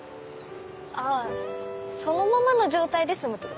あぁそのままの状態で住むってこと？